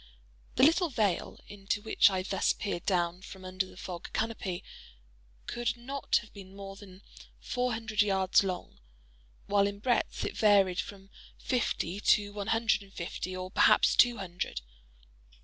The little vale into which I thus peered down from under the fog canopy could not have been more than four hundred yards long; while in breadth it varied from fifty to one hundred and fifty or perhaps two hundred.